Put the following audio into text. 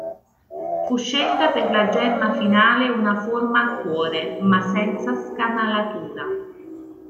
Fu scelta per la gemma finale una forma a cuore, ma senza scanalatura.